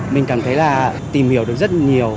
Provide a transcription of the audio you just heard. mình cảm thấy là tìm hiểu được rất nhiều